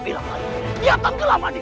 tidak ada siapa pbefore